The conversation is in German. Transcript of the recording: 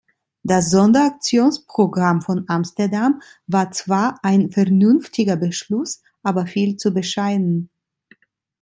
Das Sonderaktionsprogramm von Amsterdam war zwar ein vernünftiger Beschluss, aber viel zu bescheiden.